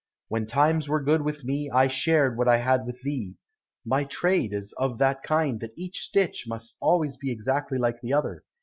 When times were good with me, I shared what I had with thee. My trade is of that kind that each stitch must always be exactly like the other.